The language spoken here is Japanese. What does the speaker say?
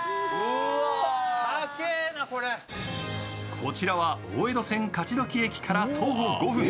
こちらは大江戸線・勝どき駅から徒歩５分